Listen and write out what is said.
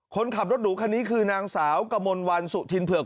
คนขับรถหรูคันนี้คือนางสาวกมลวันสุธินเผือก